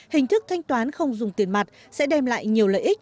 hình thức thanh toán không dùng tiền mặt sẽ đem lại nhiều lợi ích